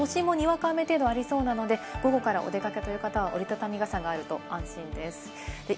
都心もにわか雨程度ありそうなので、午後からお出かけという方は折りたたみ傘があると安心です。